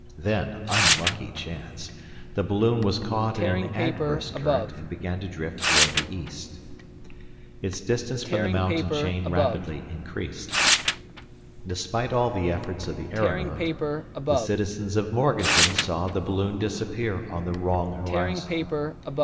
Then, unlucky chance, the balloon was caught in an adverse current, and began to drift toward the east. Its distance from the mountain chain rapidly increased. Despite all the efforts of the aeronaut, the citizens of Morganton saw the balloon disappear on the wrong horizon.